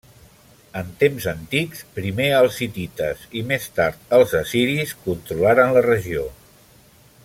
En temps antics, primer els hitites i més tard els assiris controlaren la regió.